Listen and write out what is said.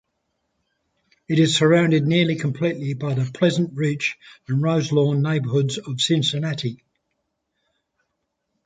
It is surrounded nearly completely by the Pleasant Ridge and Roselawn neighborhoods of Cincinnati.